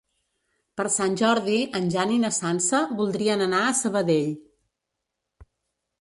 Per Sant Jordi en Jan i na Sança voldrien anar a Sabadell.